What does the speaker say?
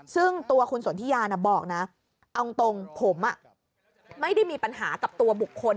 ซึ่งตัวคุณสนทิยาบอกนะเอาตรงผมไม่ได้มีปัญหากับตัวบุคคล